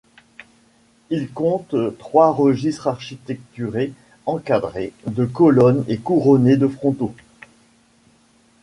Il compte trois registres architecturés encadrés de colonnes et couronnés de frontons.